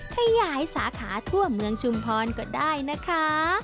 ขยายสาขาทั่วเมืองชุมพรก็ได้นะคะ